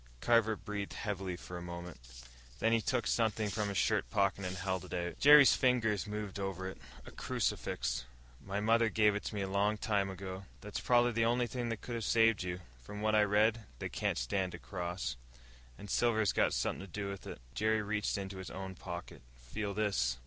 Carver breathed heavily for a moment. Then he took something from his shirt pocket and held it out. Jerry's fingers moved over it. A crucifix. "My mother give it to me a long time ago." "That's probably the only thing that could have saved you. From what I read, they can't stand a cross. And silver's got something to do with it." Jerry reached into his own pocket. "Feel this."